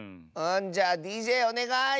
じゃあＤＪおねがい！